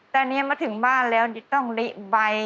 ตอนนี้มาถึงบ้านแล้วจะต้องลิใบ